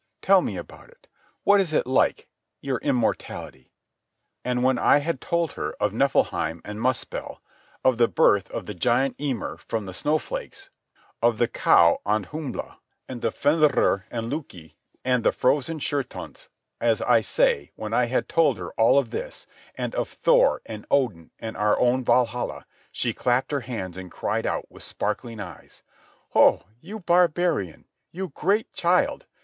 "Tell me about it. What is it like—your immortality?" And when I had told her of Niflheim and Muspell, of the birth of the giant Ymir from the snowflakes, of the cow Andhumbla, and of Fenrir and Loki and the frozen Jötuns—as I say, when I had told her of all this, and of Thor and Odin and our own Valhalla, she clapped her hands and cried out, with sparkling eyes: "Oh, you barbarian! You great child!